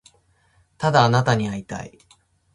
ただあなたに会いたい